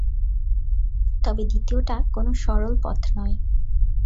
তবে, দ্বিতীয়টা কোন সরল পথ নয়।